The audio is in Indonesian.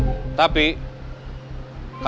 masalah dengan partner bisnis saya